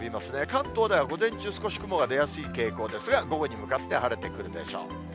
関東では午前中、少し雲が出やすい傾向ですが、午後に向かって晴れてくるでしょう。